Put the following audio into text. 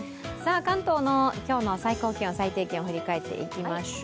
関東の今日の最高気温、最低気温振り返っていきましょう。